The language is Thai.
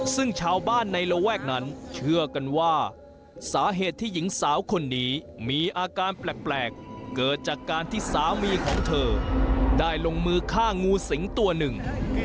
ซึ่งชาวบ้านในระแวกนั้นเชื่อกันว่าสาเหตุที่หญิงสาวคนนี้มีอาการแปลกเกิดจากการที่สามีของเธอได้ลงมือฆ่างูสิงตัวหนึ่ง